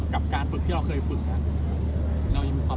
กับการฝึกที่เราเคยฝึกมา